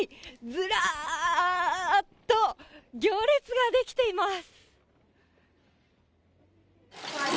ずらーっと行列が出来ています。